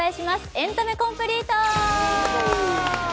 「エンタメコンプリート」。